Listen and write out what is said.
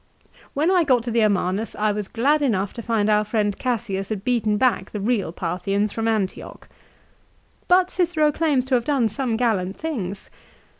l "When I got to the Amanus I was glad enough to find our friend Cassius had beaten back the real Parthians from Antioch." But Cicero claims to have done some gallant things.